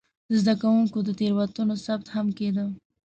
د زده کوونکو د تېروتنو ثبت هم کېده.